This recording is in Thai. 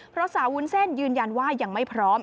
เพราะสาววุ้นเส้นยืนยันว่ายังไม่พร้อม